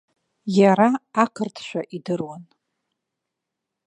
Иара ақырҭшәа идыруан.